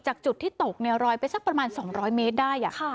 จุดที่ตกรอยไปสักประมาณ๒๐๐เมตรได้